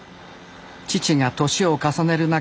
父が年を重ねる中